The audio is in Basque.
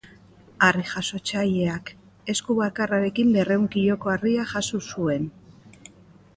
Harri-jasotzaileak, esku bakarrarekin berrehun kiloko harria jaso zuen.